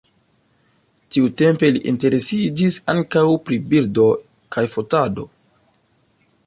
Tiutempe li interesiĝis ankaŭ pri birdoj kaj fotado.